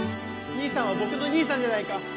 兄さんは僕の兄さんじゃないか！